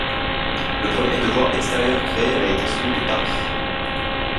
Le premier Devoir extérieur créé a été celui de Paris.